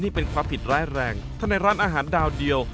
นี่เป็นความผิดร้ายแรงถ้าในร้านอาหารดาวเดียว